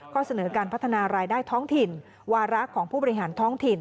เสนอการพัฒนารายได้ท้องถิ่นวาระของผู้บริหารท้องถิ่น